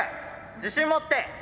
自信持って！